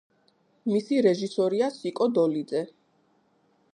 მისი რეჟისორია სიკო დოლიძე.